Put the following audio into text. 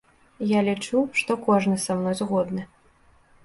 Я лічу, што кожны са мной згодны.